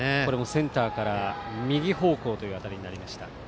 センターから右方向という当たりになりました。